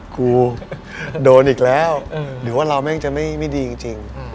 ครูโดนอีกแล้วหรือว่าเราแม่งจะไม่ดีจริง